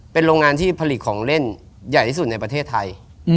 เป็นโรงงานที่ผลิตของเล่นใหญ่ที่สุดในประเทศไทย